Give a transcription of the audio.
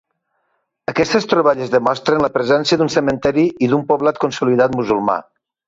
Aquestes troballes demostren la presència d'un cementeri i d'un poblat consolidat musulmà.